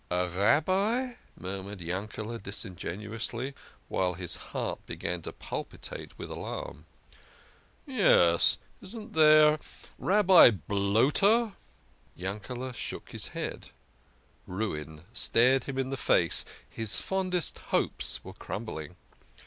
" "A Rabbi!" murmured Yankele" disingenuously, while his heart began to palpitate with alarm. "Yes, isn't there Rabbi Bloater !" Yankele shook his head. Ruin stared him in the face his fondest hopes were crumbling.